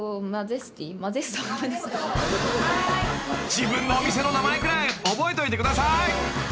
［自分のお店の名前くらい覚えといてください］